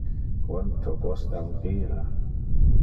Quanto costa un bira?